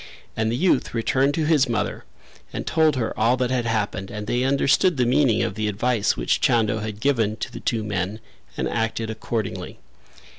And the youth returned to his mother and told her all that had happened and they understood the meaning of the advice which Chando had given to the two men and acted accordingly.